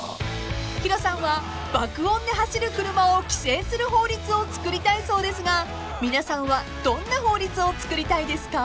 ［Ｈｉｒｏさんは爆音で走る車を規制する法律を作りたいそうですが皆さんはどんな法律を作りたいですか？］